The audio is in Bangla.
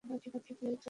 ঠিক হলেই চলে আসবে।